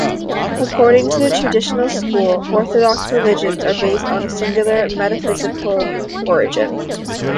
According to the Traditionalist School, orthodox religions are based on a singular metaphysical origin.